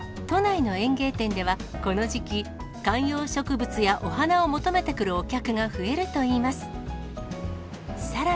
都内の園芸店では、この時期、観葉植物やお花を求めて来るお客が増えるといいます。